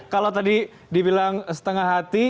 kalau tadi dibilang setengah hati